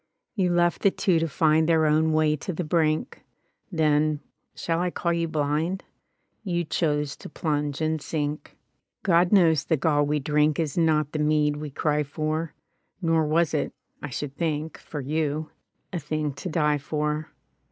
You left the two to find Their own way to the brink: Then — shall I call you blind ?— You chose to plunge and sink. God knows the gall we drink Is not the mead we cry for, Nor was it, I should think — For you — a thing to die for.